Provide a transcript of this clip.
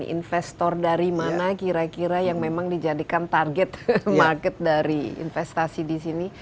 dan investor dari mana kira kira yang memang dijadikan target market dari investasi disini